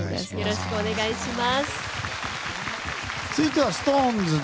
よろしくお願いします。